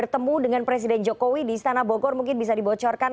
bertemu dengan presiden jokowi di istana bogor mungkin bisa dibocorkan